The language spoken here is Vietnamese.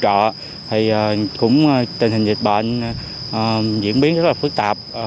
trước tình hình dịch bệnh tình hình dịch bệnh diễn biến rất phức tạp